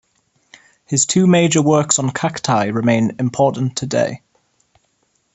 His two major works on cacti remain important today.